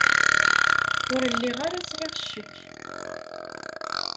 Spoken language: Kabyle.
Ur lliɣ ara sɛiɣ ccekk.